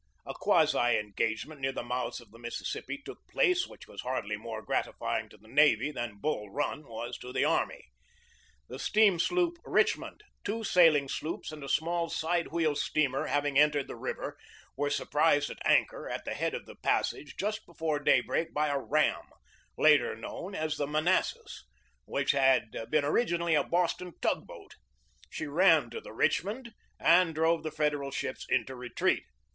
A quasi engagement near the mouths of the Mississippi took place, which was hardly more gratifying to the navy than Bull Run was to the army. The steam sloop Richmond, two sailing sloops, and a small side wheel steamer, having entered the river, were surprised at anchor at the head of the passage just before daybreak by a ram, later known as the Manassas, which had been originally a Boston tug boat. She rammed the Richmond and drove the Federal ships into retreat.